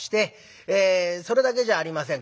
それだけじゃありません。